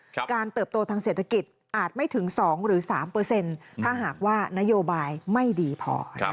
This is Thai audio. การเติบโตทางเศรษฐกิจอาจไม่ถึง๒หรือ๓ถ้าหากว่านโยบายไม่ดีพอ